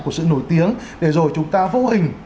của sự nổi tiếng để rồi chúng ta vô hình